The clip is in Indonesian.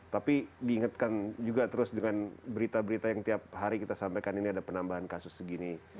tapi diingatkan juga terus dengan berita berita yang tiap hari kita sampaikan ini ada penambahan kasus segini